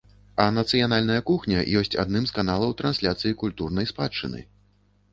А нацыянальная кухня ёсць адным з каналаў трансляцыі культурнай спадчыны.